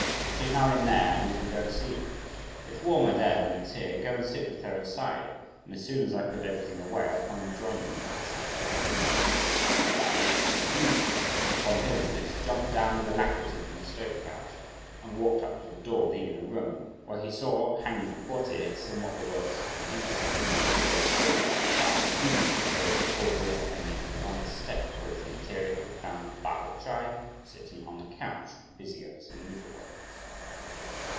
She's now in there, and you can go and see her. It's warmer there than it's here; go and sit with her inside, and, as soon as I've put everything away, I'll come and join you and have a chat." Pao yü, upon hearing this, jumped down with alacrity from the stove couch, and walked up to the door of the inner room, where he saw hanging a portière somewhat the worse for use, made of red silk. Pao yü raised the portière and making one step towards the interior, he found Pao Ch'ai seated on the couch, busy over some needlework.